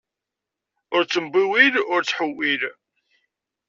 Ur ttembiwil, ur ttḥewwil!